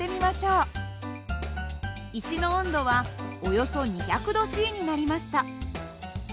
石の温度はおよそ２００℃になりました。